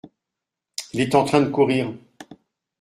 Il est en train de courir.